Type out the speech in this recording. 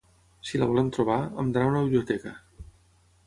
Si la volem trobar, hem d'anar a una biblioteca.